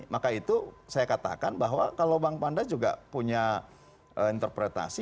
maka itu saya katakan bahwa kalau bang panda juga punya interpretasi